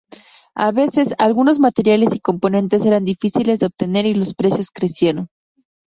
A veces, algunos materiales y componentes eran difíciles de obtener y los precios crecieron.